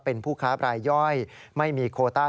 เป็นผู้ค้าบรายย่อยไม่มีโคต้า